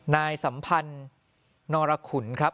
นายสัมพันธุ์นอรคุณครับ